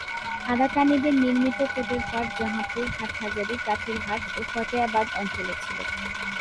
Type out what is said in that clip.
আরাকানিদের নির্মিত কোটেরপাড় জাঁহাপুর, হাটহাজারী, কাঠিরহাট ও ফতেয়াবাদ অঞ্চলে ছিল।